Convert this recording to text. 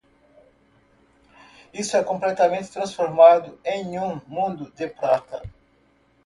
Isso é completamente transformado em um mundo de prata.